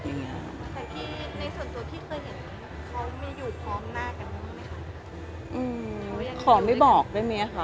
แต่ที่ในส่วนตัวพี่เคยเห็นมีเขาอยู่พร้อมมากกับมันไหมคะ